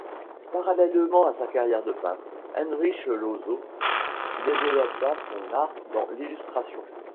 Parallèlement à sa carrière de peintre, Heinrich Lossow développa son art dans l'illustration.